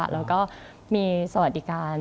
เราก็มีสวัสดิการ